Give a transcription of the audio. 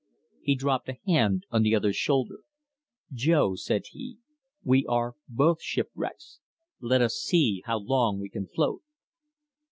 He dropped a hand on the other's shoulder. "Jo," said he, "we are both shipwrecks. Let us see how long we can float."